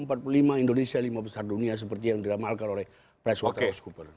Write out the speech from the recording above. menuju dua ribu empat puluh lima indonesia lima besar dunia seperti yang diramalkan oleh pres wattelhaus cooper